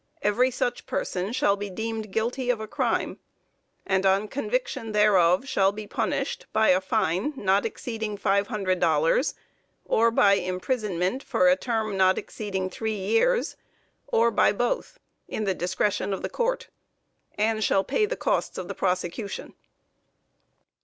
every such person shall be deemed guilty of a crime, ... and on conviction thereof shall be punished by a fine not exceeding $500, or by imprisonment for a term not exceeding three years, or by both, in the discretion of the court, and shall pay the costs of prosecution."